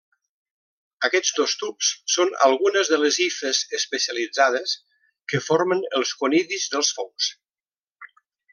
Aquests dos tubs són algunes de les hifes especialitzades que formen els conidis dels fongs.